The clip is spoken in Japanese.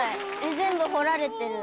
全部彫られてる。